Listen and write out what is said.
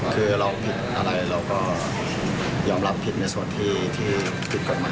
คือเราผิดอะไรเราก็ยอมรับผิดในส่วนที่ผิดกฎหมาย